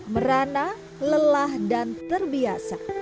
merana lelah dan terbiasa